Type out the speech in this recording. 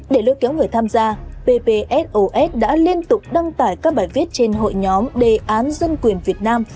để lưu kiếm người tham gia bpsos đã liên tục đăng tải các bài viết trên hội nhóm đề án dân quyền việt nam